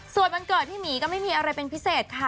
ส่วนวันเกิดพี่หมีก็ไม่มีอะไรเป็นพิเศษค่ะ